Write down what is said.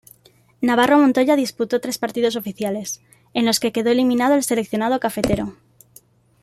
Navarro Montoya disputó tres partidos oficiales, en los que quedó eliminado el seleccionado "cafetero".